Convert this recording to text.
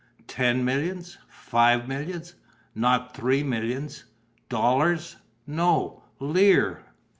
Ten millions? Five millions? Not three millions! Dollars? No, lire!"